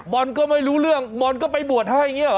อนก็ไม่รู้เรื่องบอลก็ไปบวชให้อย่างนี้หรอ